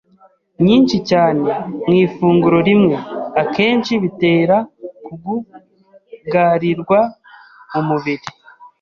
nyinshi cyane mu ifunguro rimwe, akenshi bitera kugugarirwa mu mubiri